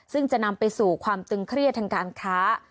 ซึ่งจะนำไปสู่ความตึงเครียดทางการค้า